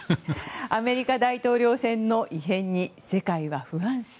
アメリカ大統領選の異変に世界は不安視。